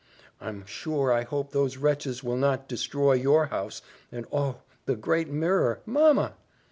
I'm sure I hope those wretches will not destroy our house and, oh! the great mirror, mamma!"